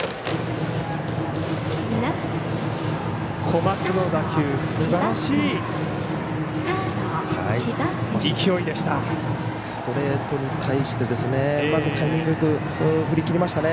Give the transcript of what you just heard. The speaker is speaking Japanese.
小松の打球すばらしい勢いでした。